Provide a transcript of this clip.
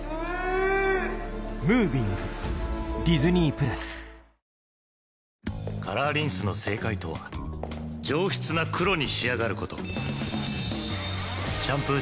生しょうゆはキッコーマンカラーリンスの正解とは「上質な黒」に仕上がることシャンプー